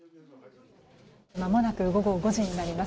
まもなく午後５時になります。